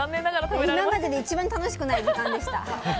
今までで一番楽しくない時間でした。